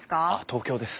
東京です。